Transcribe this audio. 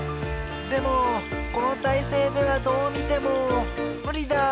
でもこのたいせいではどうみてもむりだ。